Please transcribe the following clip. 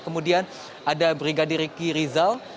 kemudian ada brigadir riki rizal